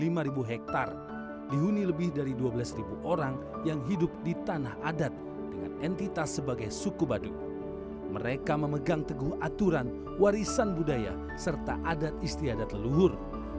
mereka memegang teguh aturan warisan budaya serta adat istiadat leluhur